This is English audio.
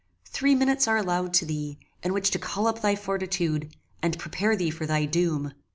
Three minutes are allowed to thee, in which to call up thy fortitude, and prepare thee for thy doom."